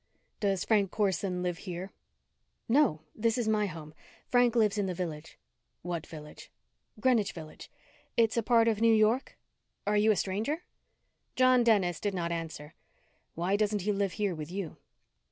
"Does Frank Corson live here?" "No. This is my home. Frank lives in the Village." "What Village?" "Greenwich Village. It's a part of New York. Are you a stranger?" John Dennis did not answer. "Why doesn't he live here with you?"